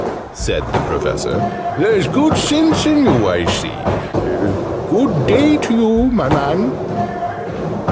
said the Professor. "There's good sense in you, I see. Good day to you, my man!"